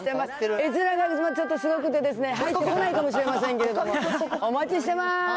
絵ずらがちょっとすごくて、入りきらないかもしれないですけれども、お待ちしてます。